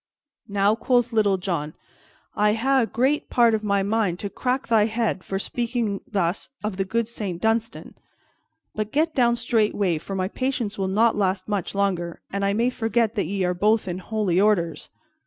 "Now," quoth Little John, "I ha' a great part of a mind to crack thy head for thee for speaking thus of the good Saint Dunstan! But get down straightway, for my patience will not last much longer, and I may forget that ye are both in holy orders."